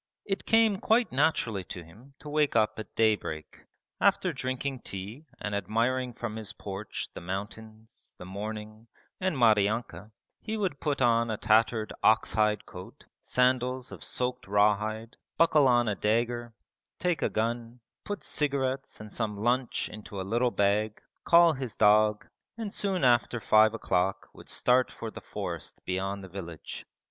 It came quite naturally to him to wake up at daybreak. After drinking tea and admiring from his porch the mountains, the morning, and Maryanka, he would put on a tattered ox hide coat, sandals of soaked raw hide, buckle on a dagger, take a gun, put cigarettes and some lunch in a little bag, call his dog, and soon after five o'clock would start for the forest beyond the village.